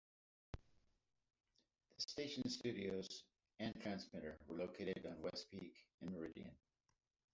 The station's studios and transmitter were located on West Peak in Meriden.